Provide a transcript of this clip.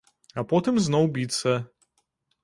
А потым зноў біцца.